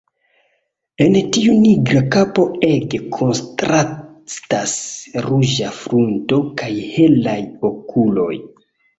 En tiu nigra kapo ege kontrastas ruĝa frunto kaj helaj okuloj.